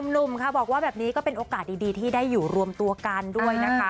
หนุ่มค่ะบอกว่าแบบนี้ก็เป็นโอกาสดีที่ได้อยู่รวมตัวกันด้วยนะคะ